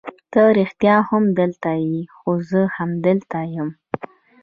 ته رښتیا هم دلته یې؟ هو زه همدلته یم.